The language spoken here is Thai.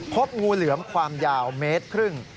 พบงูเหลือมความยาวเมตรครึ่ง